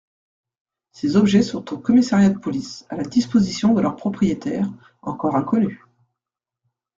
Ces objets sont au Commissariat de police, à la disposition de leurs propriétaires, encore inconnus.